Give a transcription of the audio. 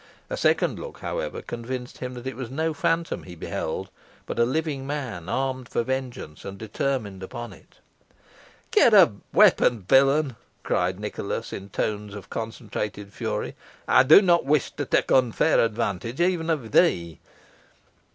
A second look, however, convinced him that it was no phantom he beheld, but a living man, armed for vengeance, and determined upon it. "Get a weapon, villain," cried Nicholas, in tones of concentrated fury. "I do not wish to take unfair advantage, even of thee."